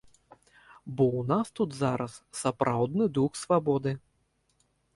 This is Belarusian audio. Бо ў нас тут зараз сапраўдны дух свабоды.